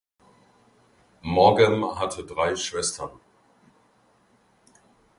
Maugham hatte drei Schwestern.